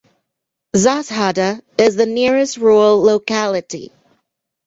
Zhazhada is the nearest rural locality.